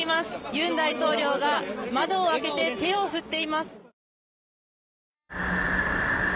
ユン大統領が窓を開けて手を振っています。